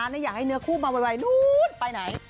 แล้วอยากให้คู่เนื้อมาไวนู้นไปไหน